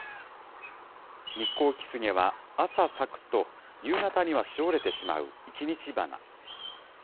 ニッコウキスゲは朝咲くと夕方にはしおれてしまう一日花。